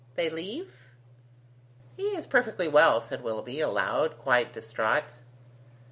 They leave?" "He is perfectly well," said Willoughby, aloud, quite distraught.